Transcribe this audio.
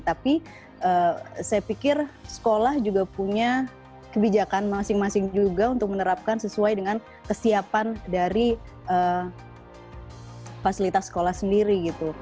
tapi saya pikir sekolah juga punya kebijakan masing masing juga untuk menerapkan sesuai dengan kesiapan dari fasilitas sekolah sendiri gitu